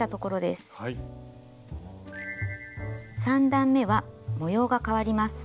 ３段めは模様が変わります。